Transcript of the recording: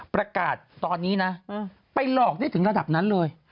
ประกาศตอนนี้นะไปหลอกได้ถึงระดับนั้นเลย